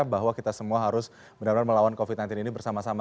bahwa kita semua harus benar benar melawan covid sembilan belas ini bersama sama